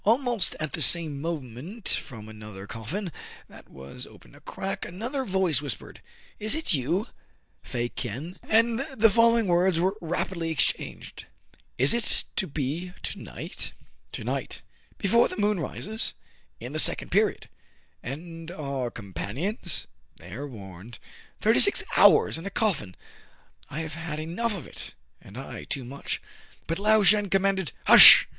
Almost at the same moment, from another cof fin that was opened a crack, another voice whis pered, —" Is it you, Fa Kien ?" And the following words were rapidly ex changed :—" Is it to be to night }" CRAIG AND FRY VISIT THE HOLD, 21 1 '^ To night." " Before the moon rises ?*'*' In the second period." "And our companions }"" They are warned." Thirty six hours in a coffin! I have had enough of it." "And I too much." " But Lao Shen commanded "—" Hush h